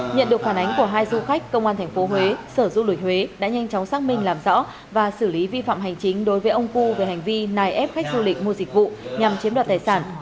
nhận được phản ánh của hai du khách công an tp huế sở du lịch huế đã nhanh chóng xác minh làm rõ và xử lý vi phạm hành chính đối với ông pu về hành vi nài ép khách du lịch mua dịch vụ nhằm chiếm đoạt tài sản